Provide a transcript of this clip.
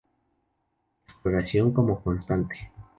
La exploración como constante".